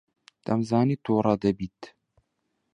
دەمزانی تووڕە دەبیت.